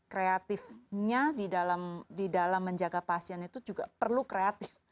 kreatifnya di dalam menjaga pasien itu juga perlu kreatif